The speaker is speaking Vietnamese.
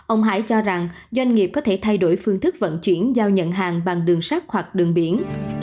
ông hải cho rằng doanh nghiệp có thể thay đổi phương thức vận chuyển giao nhận hàng bằng đường sắt hoặc đường biển